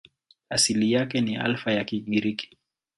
Asili yake ni Alfa ya Kigiriki.